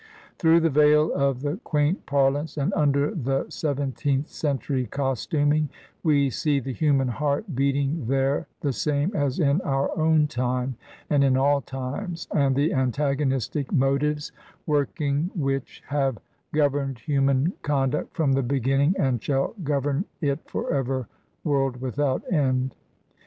Through the veil of the quaint parlance, and under the seven teenth century costtmiing, we see the human heart beat ing there the same as in our own time and in all times, and the antagonistic motives working which have gov 167 Digitized by VjOOQIC HEROINES OF FICTION emed human conduct from the beginning and shall govern it forever, world without end.